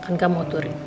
kan kamu mau touring